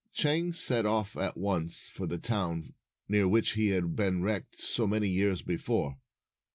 Chang set off at once for the town, near which he had been wrecked so many years before.